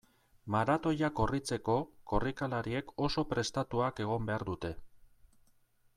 Maratoia korritzeko, korrikalariek oso prestatuak egon behar dute.